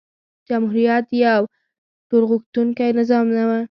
جمهوریت یو ټولغوښتونکی نظام نه و.